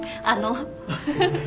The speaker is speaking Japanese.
あの。